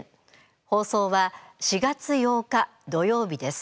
放送は４月８日土曜日です。